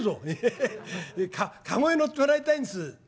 「ヘヘヘ駕籠へ乗ってもらいたいんです」。